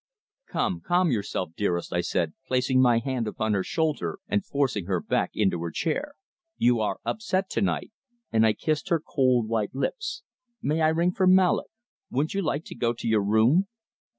"Come, calm yourself, dearest," I said, placing my hand upon her shoulder and forcing her back into her chair. "You are upset to night," and I kissed her cold, white lips. "May I ring for Mallock? Wouldn't you like to go to your room?"